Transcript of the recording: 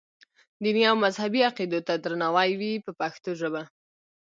دیني او مذهبي عقیدو ته درناوی وي په پښتو ژبه.